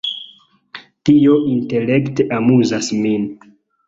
Tio intelekte amuzas min!